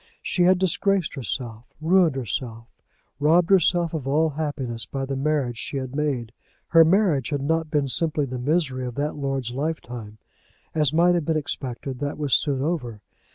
She had disgraced herself, ruined herself, robbed herself of all happiness by the marriage she had made. Her misery had not been simply the misery of that lord's lifetime. As might have been expected, that was soon over.